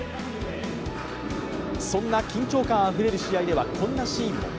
そんな緊張感あふれる試合ではこんなシーンも。